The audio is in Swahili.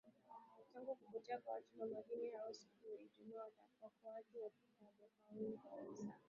tangu kupotea kwa wachimba madini hao siku ya ijumaa waokoaji hawajafaulu kabisa